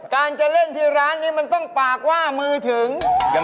การจะเล่นที่ร้านนี้มันต้องปากว่ามือถึง